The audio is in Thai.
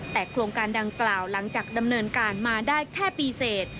แต่โครงการดังกล่าวหลังจากดำเนินการมาได้แค่ปีเสร็จ